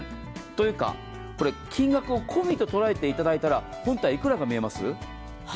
というか、金額を込みと捉えていただいたら、本体いくらが見えますか？